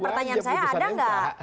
pertanyaan saya ada nggak